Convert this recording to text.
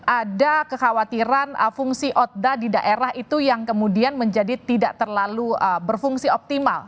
ada kekhawatiran fungsi otda di daerah itu yang kemudian menjadi tidak terlalu berfungsi optimal